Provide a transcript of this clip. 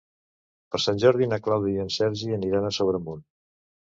Per Sant Jordi na Clàudia i en Sergi aniran a Sobremunt.